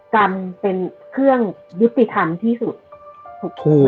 กรรมเป็นเครื่องยุติธรรมที่สุดถูก